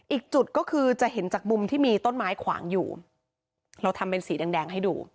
อีกจุดก็คือจะเห็นจากมุมที่มีต้นไม้ขวางอยู่เราทำเป็นสีแดงแดงให้ดู